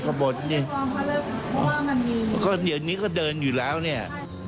ก็เดือนนี้ก็เดินอยู่แล้วนี่